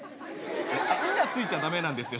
「ん」がついちゃ駄目なんですよ